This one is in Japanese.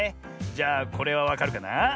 じゃあこれはわかるかな？